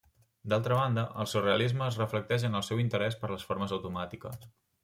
D'altra banda, el surrealisme es reflecteix en el seu interès per les formes automàtiques.